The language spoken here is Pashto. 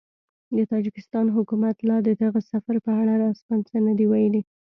د تاجکستان حکومت لا د دغه سفر په اړه رسماً څه نه دي ویلي